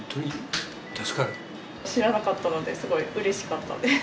知らなかったのですごいうれしかったです。